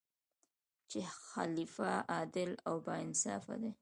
چې خلیفه عادل او با انصافه دی.